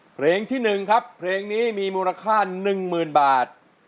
เพลงที่๑ครับเพลงนี้มีมูลค่า๑๐๐๐บาท